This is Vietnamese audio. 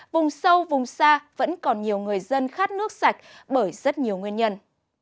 vùng sâu vùng xa vẫn còn nhiều người dân khát nước sạch bởi rất nhiều nguyên nhân